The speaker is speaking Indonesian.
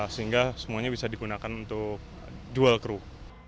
sehingga semuanya bisa digunakan untuk dual crew